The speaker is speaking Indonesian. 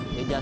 ini jasa gua